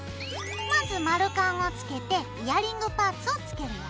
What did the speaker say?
まず丸カンをつけてイヤリングパーツをつけるよ。